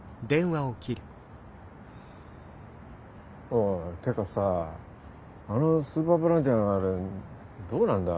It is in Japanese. おいてかさあのスーパーボランティアのあれどうなんだ？